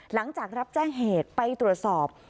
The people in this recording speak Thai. หลังจากรับแจ้งเหตุไปตรวจสอบ